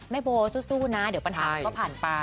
แม่โบสู้นะเดี๋ยวปัญหาก็ผ่านไป